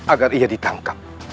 agar ia ditangkap